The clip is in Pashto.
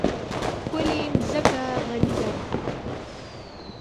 ښکلې مځکه غني ده.